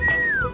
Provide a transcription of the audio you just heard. gak ada apa apa